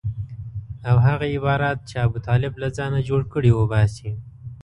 او هغه عبارات چې ابوطالب له ځانه جوړ کړي وباسي.